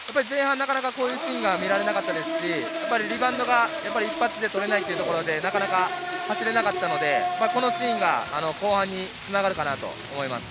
なかなかこういうシーンが見られなかったですし、リバウンドが一発で取れないというところでなかなか走れなかったので、このシーンが後半に繋がるかなと思います。